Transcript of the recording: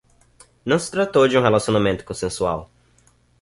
Não se tratou de um relacionamento consensual